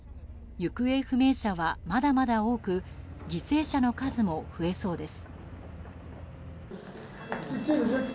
行方不明者はまだまだ多く犠牲者の数も増えそうです。